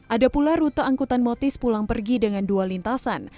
ada pula rute angkutan motis pulang pergi dengan dua lintasan